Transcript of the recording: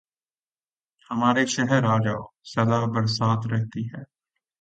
ہمارے شہر آجاؤ صدا برسات رہتی ہے